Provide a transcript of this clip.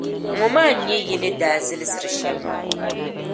Ŋɔ maa n-nyɛ yi ni daa zilsiri shεli maa.